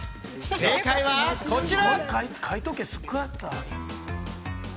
正解はこちら。